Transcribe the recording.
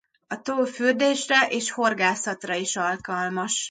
A tó fürdésre és horgászatra is alkalmas.